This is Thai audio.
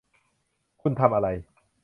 คุณทำอะไร